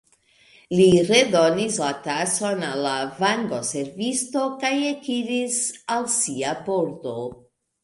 Li redonis la tason al la vagonservisto, kaj ekiris al sia pordo.